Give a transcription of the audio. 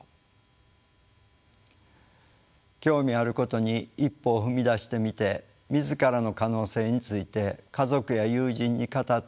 興味あることに一歩を踏み出してみて自らの可能性について家族や友人に語って聞いてもらう。